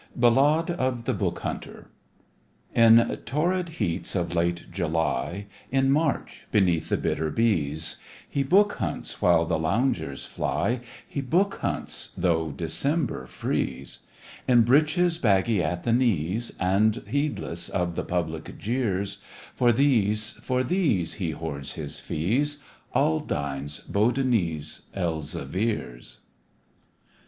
BALLADE OF THE BOOK HUNTER In torrid heats of late July, In March, beneath the bitter bise, He book hunts while the loungers fly, He book hunts, though December freeze; In breeches baggy at the knees, And heedless of the public jeers, For these, for these, he hoards his fees, Aldines, Bodonis, Elzevirs.